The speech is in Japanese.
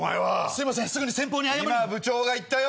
すいません！